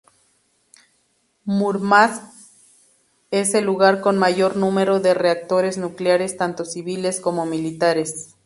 Múrmansk es el lugar con mayor número de reactores nucleares tanto civiles como militares.